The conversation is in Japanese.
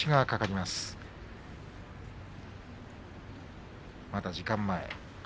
まだ時間前。